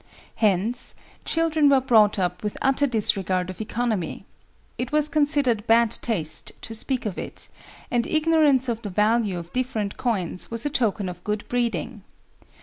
Hence children were brought up with utter disregard of economy. It was considered bad taste to speak of it, and ignorance of the value of different coins was a token of good breeding.